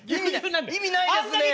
意味ないですね。